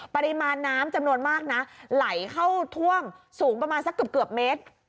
ปริมาณน้ำจำนวนมากนะไหลเข้าท่วมสูงประมาณสักเกือบเมตร